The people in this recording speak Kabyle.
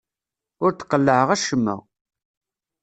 Ur d-qellɛeɣ acemma.